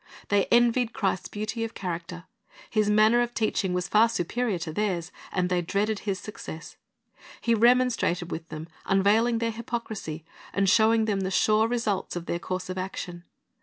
They envied Christ's beauty of character. His manner of teaching was far superior to theirs, and they dreaded His success. He remonstrated with them, unveiling their hypocrisy, and showing them the sure results of their course of action.